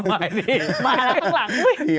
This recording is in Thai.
พี่พ่อหมายพี่มาแล้วข้างหลัง